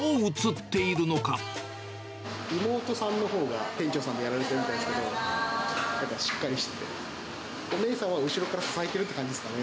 妹さんのほうが店長さんでやられてるんですけれども、しっかりとしてて、お姉さんは支えてるって感じですかね。